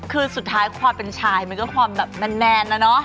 คือสุดท้ายความเป็นชายมันก็ความแบบแนนนะเนอะ